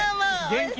元気？